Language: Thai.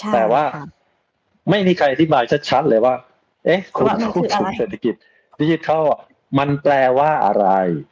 แต่ว่าไม่มีใครอธิบายชัดเลยว่าคุณควบคุมเศรษฐกิจดิจิทัลมันแปลว่าอะไร